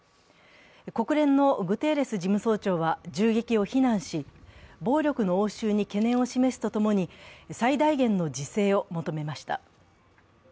国連のグテーレス事務総長は銃撃を非難し暴力の応酬に懸念を示すと共に最大限の自制を求めました。